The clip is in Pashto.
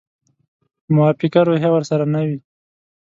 موافقه روحیه ورسره نه وي.